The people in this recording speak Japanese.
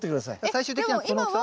最終的にはこの大きさ？